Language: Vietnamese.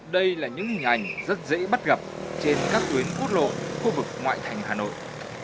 đây là những hình ảnh rất dễ bắt gặp trên các tuyến quốc lộ khu vực ngoại thành hà nội